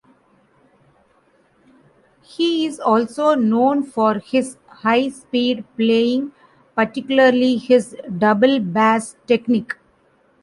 He is also known for his high speed playing, particularly his double bass technique.